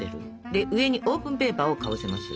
で上にオーブンペーパーをかぶせます。